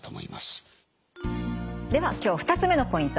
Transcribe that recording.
では今日２つ目のポイント。